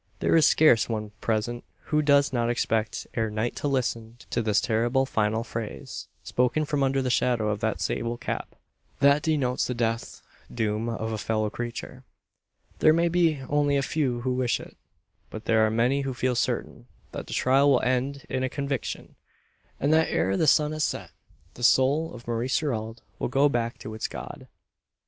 There is scarce one present who does not expect ere night to listen to this terrible final phrase, spoken from under the shadow of that sable cap, that denotes the death doom of a fellow creature. There may be only a few who wish it. But there are many who feel certain, that the trial will end in a conviction; and that ere the sun has set, the soul of Maurice Gerald will go back to its God!